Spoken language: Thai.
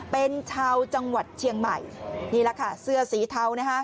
เป็นชาวจังหวัดเชียงใหม่นี่แหละค่ะเสื้อสีเทานะคะ